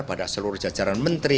pada seluruh jajaran menteri